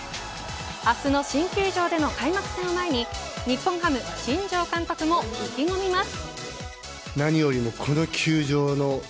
明日の新球場での開幕戦を前に日本ハム新庄監督もいきごみます。